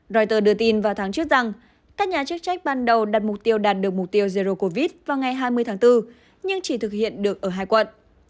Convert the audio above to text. reuters đưa tin vào tháng trước rằng các nhà chức trách ban đầu đặt mục tiêu đạt được mục tiêu jero covid vào ngày hai mươi tháng bốn nhưng chỉ thực hiện được ở hai quận